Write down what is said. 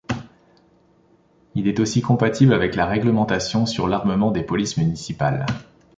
Il est aussi compatible avec la réglementation sur l'armement des polices municipales.